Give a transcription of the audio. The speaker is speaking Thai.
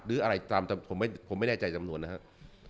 หรืออะไรตามแต่ผมไม่แน่ใจจำนวนนะครับ